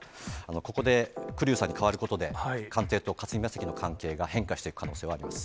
ここで栗生さんに代わることで、官邸と霞が関の関係が変化していく可能性はあります。